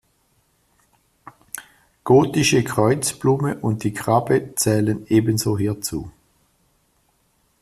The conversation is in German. Gotische Kreuzblume und die Krabbe zählen ebenso hierzu.